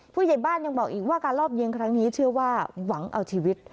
ผู้ใหญ่บ้านยังบอกอีกว่าการรอบยิงครั้งนี้เชื่อว่าหวังเอาชีวิต